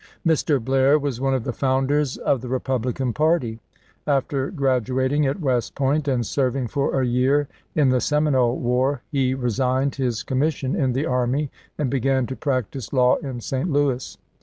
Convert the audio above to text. Mr. Blair was one of the founders of the Repub lican party. After graduating at West Point and serving for a year in the Seminole war, he resigned his commission in the army and began to practice law in St. Louis.